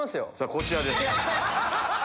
こちらです。